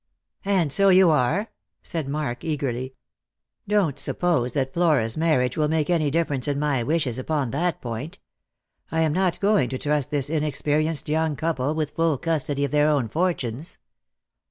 " And so you are," said Mark eagerly. " Don't suppose that Flora's marriage will make any difference in my wishes upon that point. I am not going to trust this inexperienced young couple with full custody of their own fortunes.